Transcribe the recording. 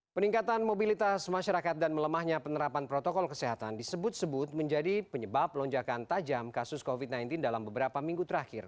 peningkatan mobilitas masyarakat dan melemahnya penerapan protokol kesehatan disebut sebut menjadi penyebab lonjakan tajam kasus covid sembilan belas dalam beberapa minggu terakhir